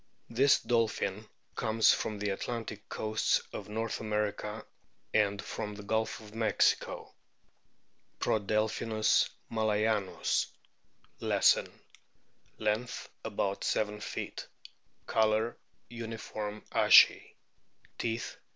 This dolphin comes from the Atlantic coasts of North America and from the Gulf of Mexico. Prodelphinus malayanus, Lesson, f Length about seven feet. Colour uniform ashy. Teeth, 39.